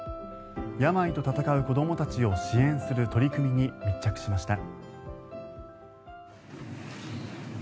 病と闘う子どもたちを支援する取り組みに密着しました。